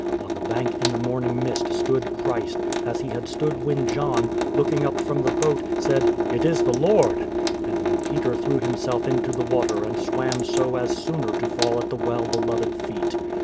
On the bank in the morning mist stood Christ, as He had stood when .lohn, looking U]) from the boat, said, "It is the J^ord;" and when Peter threw himself into the water and swam so as sooner to fall at the well beloved feet.